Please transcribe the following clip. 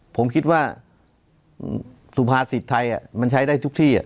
ผมคิดว่าสุภาษิตไทยมันใช้ได้ทุกที่